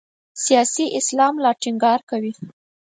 سیاسي اسلام لا ټینګار کوي.